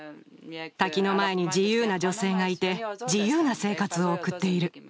滝の前に自由な女性がいて自由な生活を送っている。